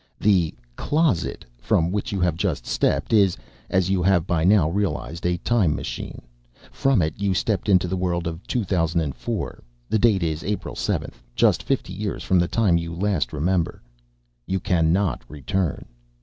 "The 'closet' from which you have just stepped is, as you have by now realized, a time machine. From it you stepped into the world of 2004. The date is April 7th, just fifty years from the time you last remember. "You cannot return.